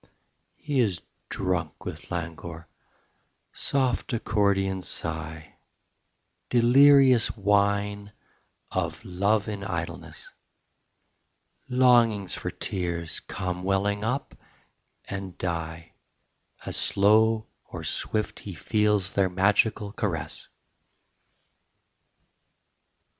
He is drunk with Languor soft accordion sigh, Delirious wine of Love in Idleness; Longings for tears come welling up and die, As slow or swift he feels their magical caress.